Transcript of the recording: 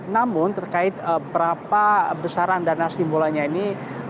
namun terkait berapa besaran dana stimulannya ini